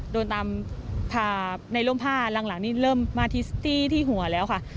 โดนตามในร่มผ้าหลังนี่เริ่มมาที่หัวแล้วค่ะ